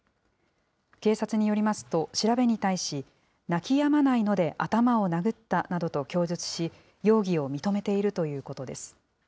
警察によりますと、調べに対し、泣き止まないので頭を殴ったなどと供述し、容疑を認めているということです。